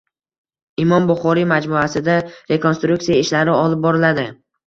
Imom Buxoriy majmuasida rekonstruksiya ishlari olib boriladi